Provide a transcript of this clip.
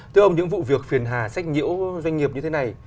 thưa ông những vụ việc phiền hà sách nhiễu doanh nghiệp như thế này